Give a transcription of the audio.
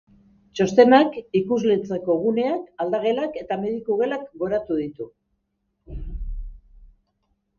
Txostenak ikusleentzako guneak, aldagelak eta mediku gelak goratu ditu.